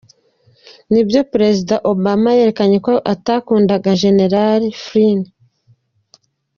"Ni byo perezida Obama yerekanye ko atakundaga jenerali Flynn.